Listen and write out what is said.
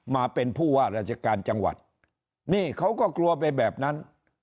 มาเป็นผู้ว่าราชการจังหวัดนี่เขาก็กลัวไปแบบนั้น